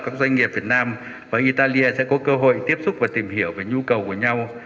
các doanh nghiệp việt nam và italia sẽ có cơ hội tiếp xúc và tìm hiểu về nhu cầu của nhau